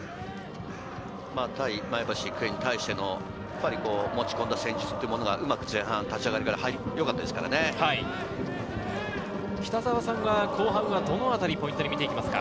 対前橋育英に対しての持ち込んだ戦術というものが、うまく前半立ち上がりからよかっ北澤さんは後半、どの辺りポイントに見ていますか？